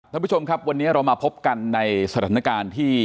ท่านผู้ชมครับวันนี้เรามาพบกันในสถานการณ์ที่